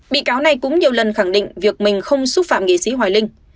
bị cáo này cũng nhiều lần khẳng định việc mình không xúc phạm nghị sĩ hoài linh